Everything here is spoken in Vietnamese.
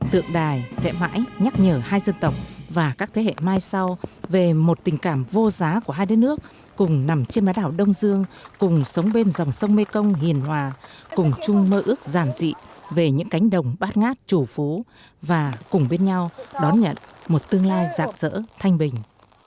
tượng đài sẽ mãi nhắc nhở hai dân tộc và các thế hệ mai sau về một tình cảm vô giá của hai đất nước cùng nằm trên bát đảo đông dương cùng sống bên dòng sông mekong hiền hòa cùng chung mơ ước giản dị về những cánh đồng bát ngát chủ phố và cùng bên nhau đón nhận một tương lai dạng dỡ thanh bình